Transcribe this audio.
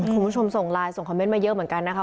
คุณผู้ชมส่งไลน์ส่งคอมเมนต์มาเยอะเหมือนกันนะคะ